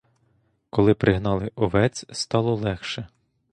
Коли пригнали овець, стало легше.